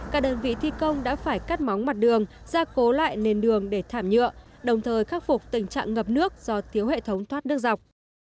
các đơn vị thi công đã phải cắt móng mặt đường ra cố lại nền đường để thảm nhựa đồng thời khắc phục tình trạng ngập nước do thiếu hệ thống thoát nước dọc